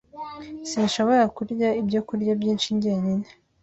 Sinshobora kurya ibyo kurya byinshi jyenyine.